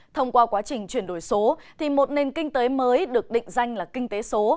thông qua quá trình chuyển đổi số một nền kinh tế mới được định danh là kinh tế số